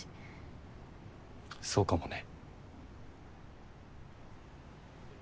そうかもね。